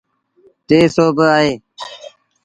ٽي سو با اهي۔